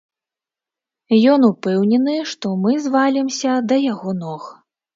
Ён упэўнены, што мы звалімся да яго ног.